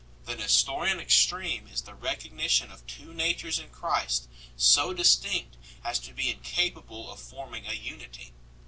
The Nestorian extreme is the recognition of two natures in Christ so distinct as to be incapable of forming a unity.